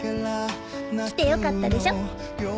来てよかったでしょ？